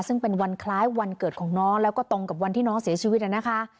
ซึ่งเป็นวันคล้ายวันเกิดของน้องแล้วก็ตรงกับวันที่น้องเสียชีวิตนะคะ